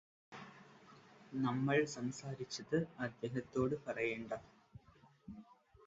നമ്മള് സംസാരിച്ചത് അദ്ദേഹത്തോട് പറയേണ്ട